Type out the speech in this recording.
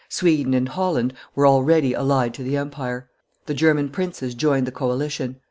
Sweden and Holland were already allied to the empire; the German princes joined the coalition.